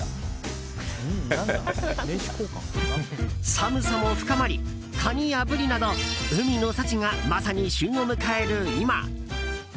寒さも深まりカニやブリなど海の幸が、まさに旬を迎える今。